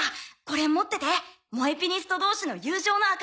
これ持ってて。もえピニスト同士の友情の証しだよ。